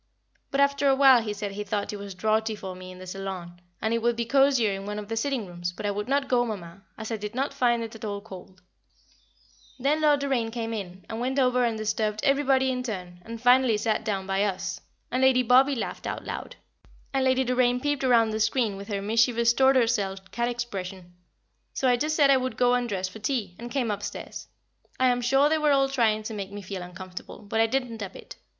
But after a while he said he thought it was draughty for me in the saloon, and it would be cosier in one of the sitting rooms, but I would not go, Mamma, as I did not find it at all cold. [Sidenote: Lord Doraine intrudes] Then Lord Doraine came in, and went over and disturbed everybody in turn, and finally sat down by us, and Lady Bobby laughed out loud, and Lady Doraine peeped round the screen with her mischievous tortoise shell cat expression, so I just said I would go and dress for tea, and came upstairs. I am sure they were all trying to make me feel uncomfortable, but I didn't a bit.